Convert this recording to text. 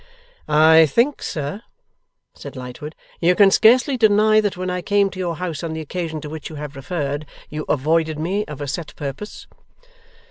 'I think, sir,' said Lightwood, 'you can scarcely deny that when I came to your house on the occasion to which you have referred, you avoided me of a set purpose.